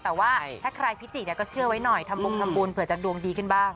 แต่ว่าถ้าใครพิจิก็เชื่อไว้หน่อยทำบงทำบุญเผื่อจะดวงดีขึ้นบ้าง